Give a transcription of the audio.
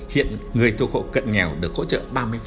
hiện người thuộc hộ cận nghèo được hỗ trợ ba mươi